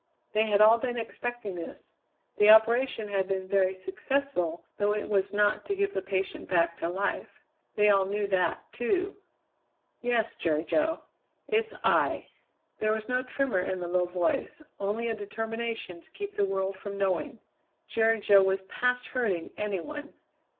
They had all been expecting this. The operation had been very successful, though it was not to give the patient back to life. They all knew that, too. "Yes, Jerry Jo, it's I." There was no tremor in the low voice, only a determination to keep the world from knowing. Jerry Jo was past hurting any one.